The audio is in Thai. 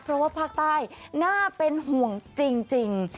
เพราะว่าภาคใต้น่าเป็นห่วงจริง